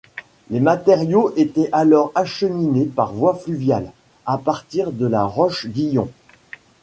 Les matériaux étaient alors acheminés par voie fluviale, à partir de La Roche-Guyon.